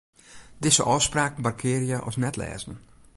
Dizze ôfspraak markearje as net-lêzen.